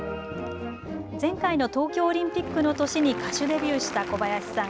前回の東京オリンピックの年に歌手デビューした小林さん。